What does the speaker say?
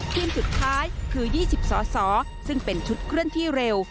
ทีมสุดท้ายคือ๒๐สสซึ่งเป็นชุดเคลื่อนที่เร็ว